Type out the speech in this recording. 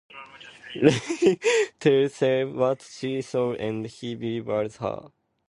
Rain tells Caleb what she saw and he believes her.